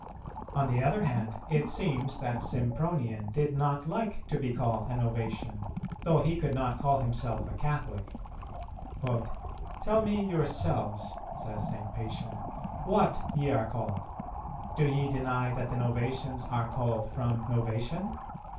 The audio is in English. On the other hand it seems that Sympronian did not like to be called a Novatian, though he could not call himself a Catholic. "Tell me yourselves," says St. Pacian, "what ye are called. Do ye deny that the Novatians are called from Novatian?